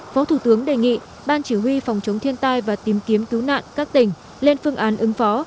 phó thủ tướng đề nghị ban chỉ huy phòng chống thiên tai và tìm kiếm cứu nạn các tỉnh lên phương án ứng phó